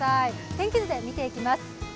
天気図で見ていきます。